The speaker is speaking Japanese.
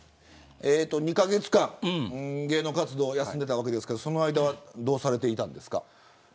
２カ月間芸能活動を休んでいましたがその間はどうされていたんですか。